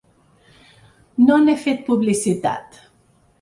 No n’he fet publicitat.